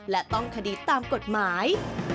และต้องคดีตามกฎหมาย